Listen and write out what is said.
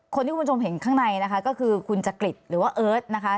คุณผู้ชมเห็นข้างในนะคะก็คือคุณจักริตหรือว่าเอิร์ทนะคะ